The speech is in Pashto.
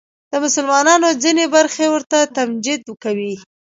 د مسلمانانو ځینې برخې ورته تمجید کوي